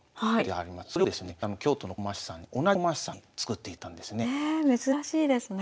それをですね京都の駒師さんに同じ駒師さんに作っていただいたんですね。